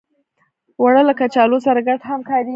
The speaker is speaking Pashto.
اوړه له کچالو سره ګډ هم کارېږي